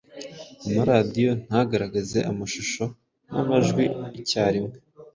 amaradiyo ntagaragaze amashusho n’amajwi icyarimwe